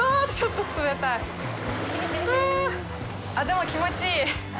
でも気持ちいい。